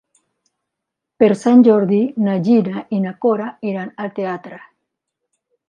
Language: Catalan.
Per Sant Jordi na Gina i na Cora iran al teatre.